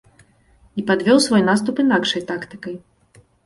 І падвёў свой наступ інакшай тактыкай.